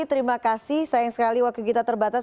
terima kasih sayang sekali waktu kita terbatas